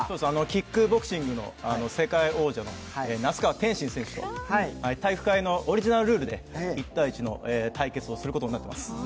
キックボクシングの世界王者の那須川天心選手と「体育会」のオリジナルルールで１対１の対決をすることになっています。